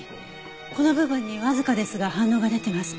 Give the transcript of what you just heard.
この部分にわずかですが反応が出てます。